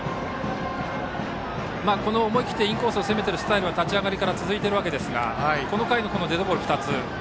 思い切ってインコースを攻めている形は立ち上がりから続いているわけですがこの回のデッドボール２つ。